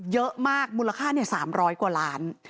เยอะมากมูลค่า๓๐๐กว่าล้าน